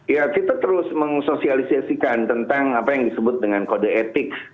ya kita terus mensosialisasikan tentang apa yang disebut dengan kode etik